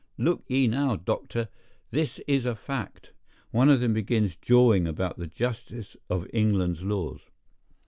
Look ye now, doctor, this is a fact. One of them begins jawing about the justice of England's laws.